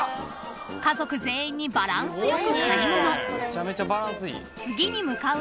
［家族全員にバランス良く買い物］